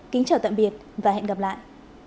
kính chào tạm biệt và hẹn gặp lại